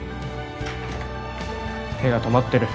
手が止まってる。